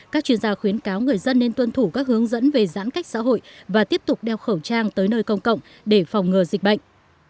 các chuyên gia khuyến cáo người dân nên tuân thủ các hướng dẫn về giãn cách xã hội và tiếp tục đeo khẩu trang tới nơi công cộng để phòng ngừa dịch bệnh